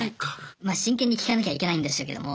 まあ真剣に聞かなきゃいけないんでしょうけども。